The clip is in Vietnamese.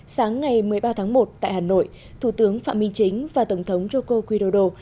sáng ngày một mươi ba tháng một tại hà nội thủ tướng phạm minh chính và tổng thống joko widodo